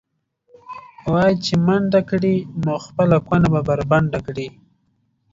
وایي چې منډه کړې، نو خپله کونه به بربنډه کړې.